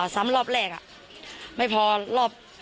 ซ้ำรอบแรกไม่พอรอบ